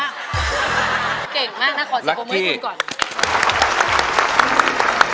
เก่งมากนะขอสังคมให้คุณก่อน